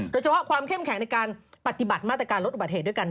ความเข้มแข็งในการปฏิบัติมาตรการลดอุบัติเหตุด้วยกัน